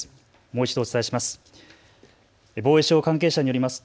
もう一度お伝えします。